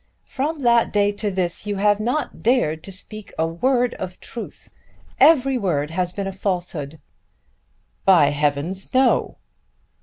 From that day to this, you have not dared to speak a word of truth. Every word has been a falsehood." "By heavens, no."